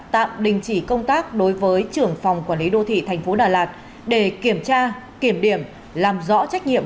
tạm đình chỉ công tác đối với trưởng phòng quản lý đô thị tp đà lạt để kiểm tra kiểm điểm